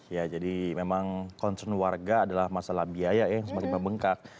ya jadi memang concern warga adalah masalah biaya ya yang semakin membengkak